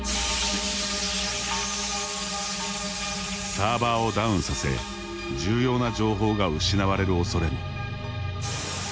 サーバーをダウンさせ重要な情報が失われる恐れも。